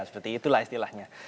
seperti itulah istilahnya